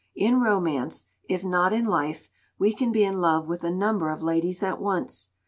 In romance, if not in life, we can be in love with a number of ladies at once.